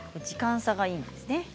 時間差がいいんですね。